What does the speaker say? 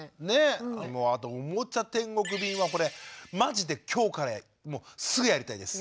あと「おもちゃ天国便」はこれまじで今日からもうすぐやりたいです。